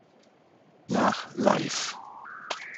Nach "Live!